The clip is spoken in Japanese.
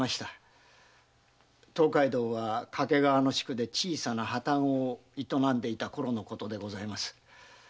東海道は掛川の宿で小さな旅籠を営んでいたころのことです。